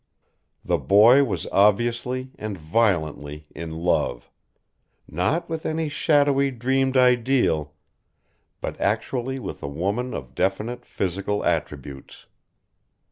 The boy was obviously and violently in love not with any shadowy dreamed ideal, but actually with a woman of definite physical attributes.